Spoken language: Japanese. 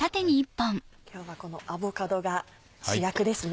今日はこのアボカドが主役ですね。